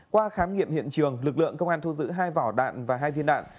qua khám nghiệm hiện trường lực lượng công an thu giữ hai vỏ đạn và hai viên đạn